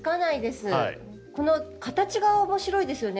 この形が面白いですよね。